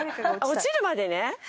落ちるまでね。